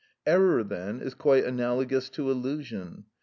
Error then is quite analogous to illusion.